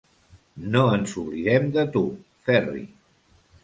No ens oblidem de tu, Ferri.